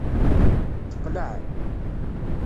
Teqleɛ.